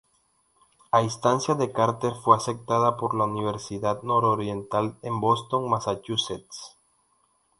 A instancias de Carter fue aceptada por la Universidad Nororiental en Boston, Massachusetts.